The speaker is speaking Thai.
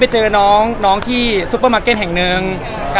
พี่เห็นไอ้เทรดเลิศเราทำไมวะไม่ลืมแล้ว